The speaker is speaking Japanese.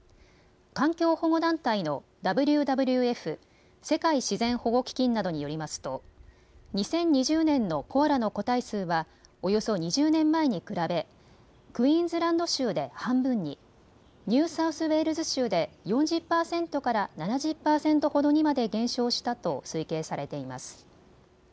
環境保護団体のＷＷＦ・世界自然保護基金などによりますと２０２０年のコアラの個体数はおよそ２０年前に比べクイーンズランド州で半分に、ニューサウスウェールズ州で４０％から７０％ほどにまで減少したと推計されています。